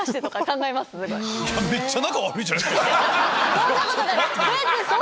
そんなことない！